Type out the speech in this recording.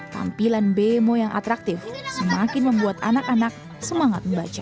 tampilan bemo yang atraktif semakin membuat anak anak semangat membaca